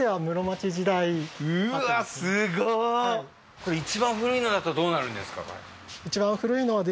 これ一番古いのだとどうなるんですか？